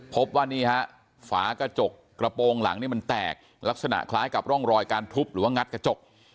พบว่านี่ฮะฝากระจกกระโปรงหลังเนี่ยมันแตกลักษณะคล้ายกับร่องรอยการทุบหรือว่างัดกระจก